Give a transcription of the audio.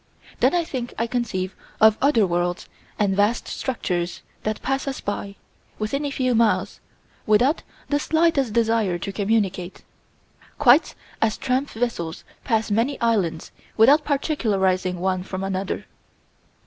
Then I think I conceive of other worlds and vast structures that pass us by, within a few miles, without the slightest desire to communicate, quite as tramp vessels pass many islands without particularizing one from another.